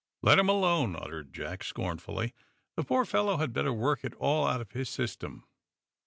"Let him alone," uttered Jack, scornfully. "The poor fellow had better work it all out of his system."